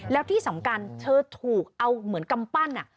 แล้วที่สำคัญเธอถูกเอาเหมือนกำปั้น